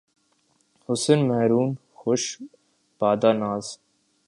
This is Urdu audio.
حسن مرہون جوش بادۂ ناز